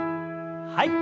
はい。